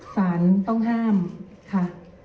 สารต้องห้ามค่ะ